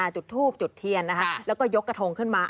จุดทูบจุดเทียนนะคะแล้วก็ยกกระทงขึ้นมา